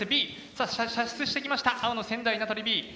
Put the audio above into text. さあ射出してきました青の仙台名取Ｂ。